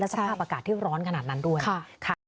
แต่ถ้าว่ามันหนักเป็นแบบนี้อีกก็ไม่